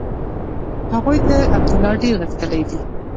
هغوی تر عبدالله ډېر غښتلي دي.